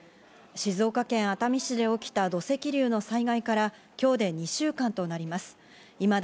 静岡県熱海市で起きた土石流の災害から今日で２週間となります。